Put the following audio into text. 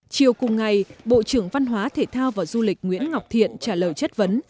chiều cùng ngày bộ trưởng văn hóa thể thao và du lịch nguyễn ngọc thiện trả lời chất vấn